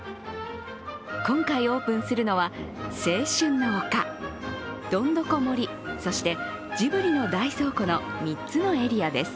今回オープンするのは青春の丘、どんどこ森、そして、ジブリの大倉庫の３つのエリアです。